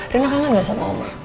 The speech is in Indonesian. rena kangen gak sama oma